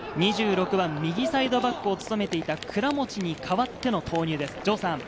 ２６番、右サイドバックを務めていた倉持に代わっての投入です。